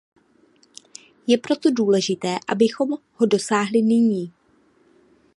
Je proto důležité, abychom ho dosáhli nyní.